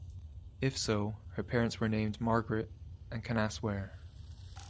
If so, her parents were named Margaret and Cannassware.